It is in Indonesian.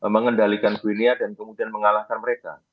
mengendalikan dunia dan kemudian mengalahkan mereka